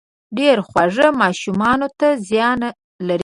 ډېر خواږه ماشومانو ته زيان لري